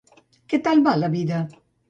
Què tal va la vida?